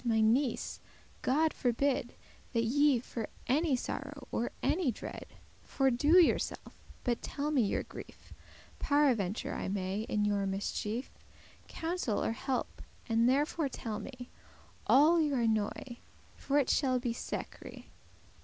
my niece, God forbid That ye for any sorrow, or any dread, Fordo* yourself: but telle me your grief, *destroy Paraventure I may, in your mischief,* *distress Counsel or help; and therefore telle me All your annoy, for it shall be secre.